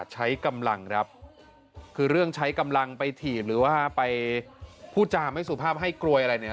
หรือว่าไปพูดจามให้สุภาพให้กลวยอะไรเนี่ย